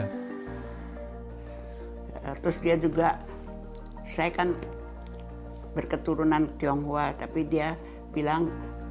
terus dia juga saya kan berketurunan tionghoa tapi dia bilang